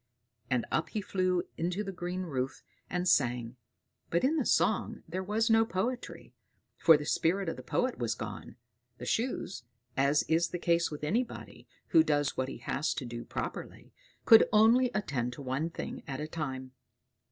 And up he flew into the green roof and sang; but in the song there was no poetry, for the spirit of the poet was gone. The Shoes, as is the case with anybody who does what he has to do properly, could only attend to one thing at a time.